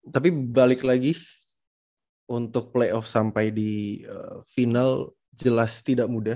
tapi balik lagi untuk playoff sampai di final jelas tidak mudah